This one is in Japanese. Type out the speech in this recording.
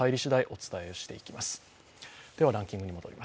お伝えしてまいります。